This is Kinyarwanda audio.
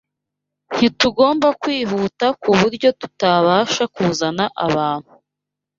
Ntitugomba kwihuta ku buryo tutabasha kuzana abantu